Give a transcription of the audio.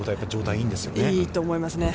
いいと思いますね。